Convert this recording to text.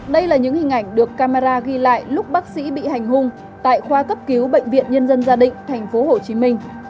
đây là những hình ảnh được camera ghi lại lúc bác sĩ bị hành hung tại khoa cấp cứu bệnh viện nhân dân gia định tp hcm